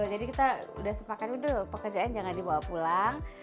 jadi kita udah sepakat udah pekerjaan jangan dibawa pulang